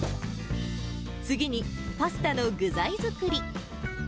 次に、パスタの具材作り。